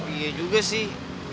iya juga sih